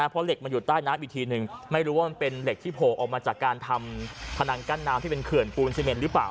เพราะเหล็กมันอยู่ใต้น้ำอีกทีนึงไม่รู้ว่ามันเป็นเหล็กที่โผล่ออกมาจากการทำพนังกั้นน้ำที่เป็นเขื่อนปูนซีเมนหรือเปล่า